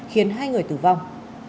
khiến hai người tử vong